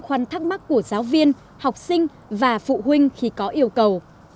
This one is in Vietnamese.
đó là một trong khoăn thắc mắc của giáo viên học sinh và phụ huynh khi có yêu cầu